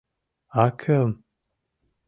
А кӧм?